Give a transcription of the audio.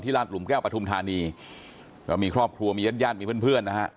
ราชหลุมแก้วปฐุมธานีก็มีครอบครัวมีญาติญาติมีเพื่อนเพื่อนนะฮะ